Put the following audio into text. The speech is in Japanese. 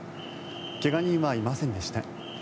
怪我人はいませんでした。